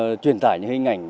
và muộn truyền tải những hình ảnh